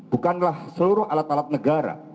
bukanlah seluruh alat alat negara